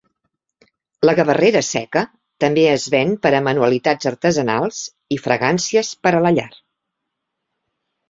La gavarrera seca també es ven per a manualitats artesanals i fragàncies per a la llar.